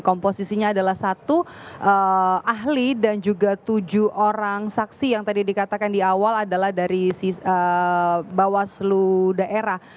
komposisinya adalah satu ahli dan juga tujuh orang saksi yang tadi dikatakan di awal adalah dari bawaslu daerah